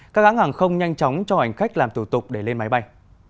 các áng hàng không nhanh chóng cho hành khách làm tủ tục để lên máy bay